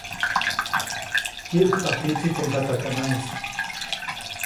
Kyäʼtpa pitsi teʼ ndatakanaʼŋʼis.